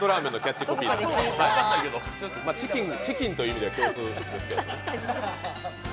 チキンという意味では共通ですけど。